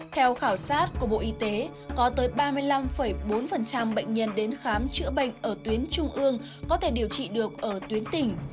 theo khảo sát của bộ y tế có tới ba mươi năm bốn bệnh nhân đến khám chữa bệnh ở tuyến trung ương có thể điều trị được ở tuyến tỉnh